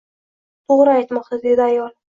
— To‘g‘ri aytmoqda! — dedi ayol.